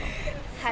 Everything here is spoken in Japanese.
はい。